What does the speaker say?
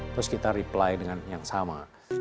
terus kita reply dengan yang sama